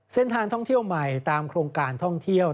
เส้นทางท่องเที่ยวใหม่ตามโครงการท่องเที่ยว